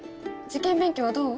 受験勉強はどう？